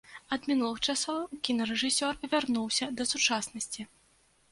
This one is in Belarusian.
Ад мінулых часоў кінарэжысёр вярнуўся да сучаснасці.